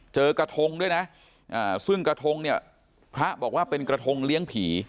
เจอกระทงด้วยนะซึ่งกระทงเนี่ยพระบอกว่าเป็นกระทงเลี้ยงผี